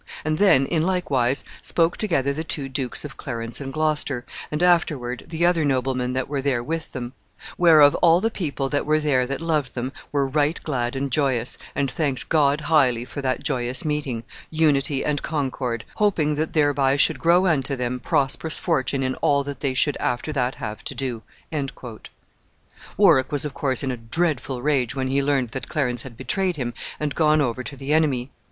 And then, in like wise, spoke together the two Dukes of Clarence and Gloucester, and afterward the other noblemen that were there with them; whereof all the people that were there that loved them were right glad and joyous, and thanked God highly for that joyous meeting, unity and concord, hoping that thereby should grow unto them prosperous fortune in all that they should after that have to do." Warwick was, of course, in a dreadful rage when he learned that Clarence had betrayed him and gone over to the enemy.